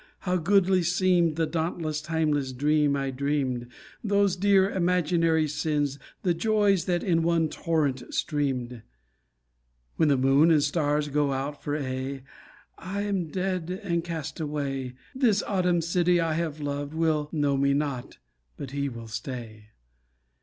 How goodly seemed The dauntless timeless dream I dreamed, Those dear imaginary sins, The joys that in one torrent streamed. When moon and stars go out for aye, And I am dead and castaway, This autumn city I have loved Will know me not, but he will stay.